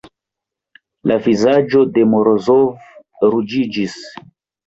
La vizaĝo de Morozov ruĝiĝis.